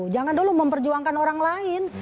jangan dulu memperjuangkan orang lain